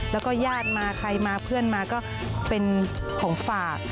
แล้วก็ญาติมาใครมาเพื่อนมาก็เป็นของฝาก